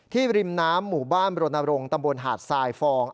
ที่ริมน้ำหมู่บ้านโรนโรงตำบลหาดสายฟอง